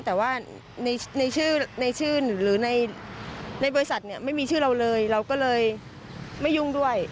แต่ว่าในชื่อในชื่อหรือในบริษัทเนี่ยไม่มีชื่อเราเลยเราก็เลยไม่ยุ่งด้วย